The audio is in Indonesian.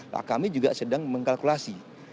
nah kami juga sedang mengkalkulasi